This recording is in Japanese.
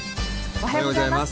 おはようございます。